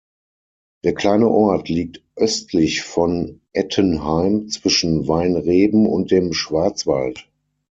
Der kleine Ort liegt östlich von Ettenheim zwischen Weinreben und dem Schwarzwald.